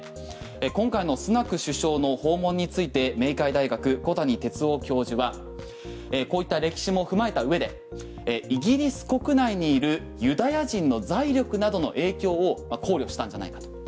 今回のスナク首相の訪問について明海大学、小谷哲男教授はこういった歴史も踏まえた上でイギリス国内にいるユダヤ人の財力などの影響を考慮したんじゃないかと。